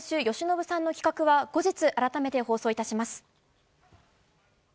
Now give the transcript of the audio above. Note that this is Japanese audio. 由伸さんの企画は後日改めて放送致します。